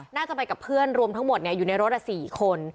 น่าจะไปกับเพื่อนรวมทั้งหมดอยู่ในรถ๔คน